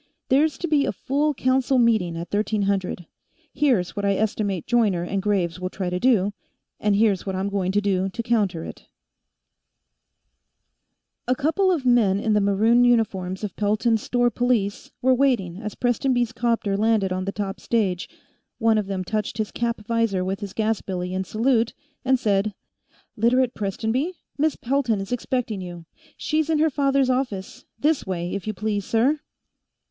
There's to be a full Council meeting at thirteen hundred. Here's what I estimate Joyner and Graves will try to do, and here's what I'm going to do to counter it "A couple of men in the maroon uniform of Pelton's store police were waiting as Prestonby's 'copter landed on the top stage; one of them touched his cap visor with his gas billy in salute and said: "Literate Prestonby? Miss Pelton is expecting you; she's in her father's office. This way, if you please, sir."